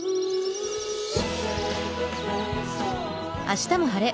「あしたも晴れ！